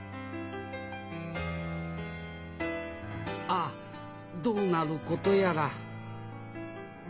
ああどうなることやら。